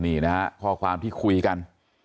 นี่นะฮะข้อความที่คุยกัน